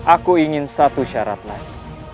aku ingin satu syarat lain